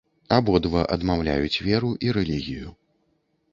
Абодва адмаўляюць веру і рэлігію.